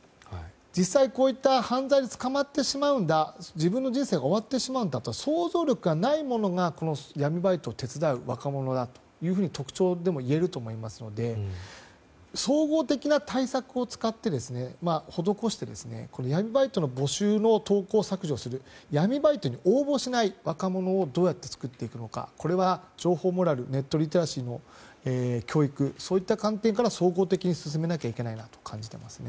実際こういった犯罪で捕まってしまうと自分の人生が終わってしまうんだという想像力がないものが闇バイトを手伝う若者だというのが特徴ともいえると思いますので総合的な対策を施して闇バイトの募集の投稿を削除する闇バイトに応募しない若者をどうやって作っていくのかこれは情報モラルネットリテラシーの教育そういった観点から総合的に進めなくてはいけないと感じていますね。